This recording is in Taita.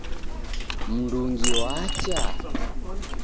Mndungi wacha?